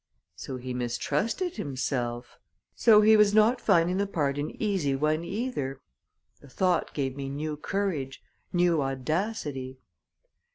So he mistrusted himself; so he was not finding the part an easy one, either! The thought gave me new courage, new audacity.